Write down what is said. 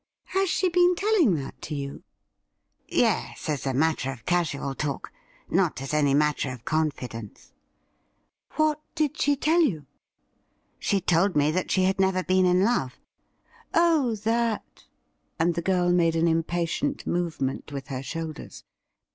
' Has she been telling that to you .?'' Yes — as a matter of casual talk, not as any matter of confidence.' ' AVhat did she tell you .?'' She told me that she never had been in love.' ' Oh, that !' and the girl made an impatient movement with her shoulders.